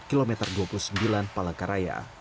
kilometer dua puluh sembilan palangkaraya